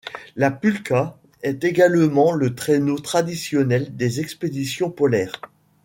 La pulka est également le traîneau traditionnel des expéditions polaires.